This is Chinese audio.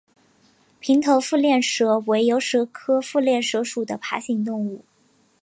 平头腹链蛇为游蛇科腹链蛇属的爬行动物。